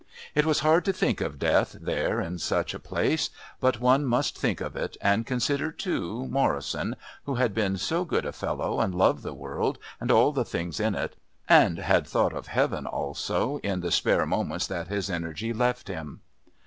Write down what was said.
It was hard to think of death there in such a place, but one must think of it and consider, too, Morrison, who had been so good a fellow and loved the world, and all the things in it, and had thought of heaven also in the spare moments that his energy left him.